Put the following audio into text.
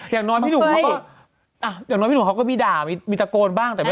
อยากไม่พูดอย่างนั้น